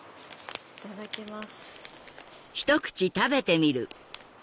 いただきます。